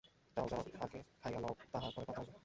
যাও যাও, আগে খাইয়া লও, তাহার পরে কথা হইবে।